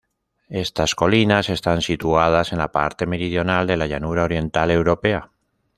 Estas colinas están situadas en la parte meridional de la Llanura Oriental Europea.